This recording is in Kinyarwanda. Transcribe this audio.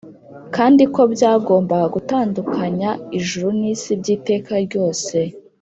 kandi ko byagombaga gutandukanya ijuru n’isi by’iteka ryose